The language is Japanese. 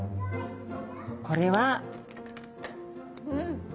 これは。